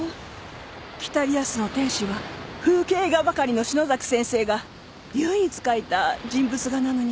『北リアスの天使』は風景画ばかりの篠崎先生が唯一描いた人物画なのに。